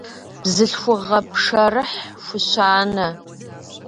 Бзылъхугъэ пшэрыхь хущанэ.